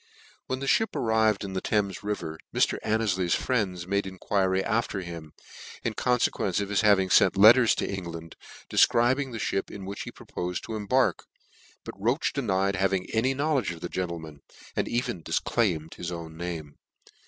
When the (hip arrived in the river Thame* Mr. Annefly's friends made enquiry after him, in confequence of his having fenc letters to En gland, dcfcribing the fhip in which he propofed to embark; but Roche denied having any know ledge of the gentleman ; and*cven difclaimed his own name.